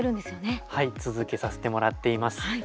はい続けさせてもらっています。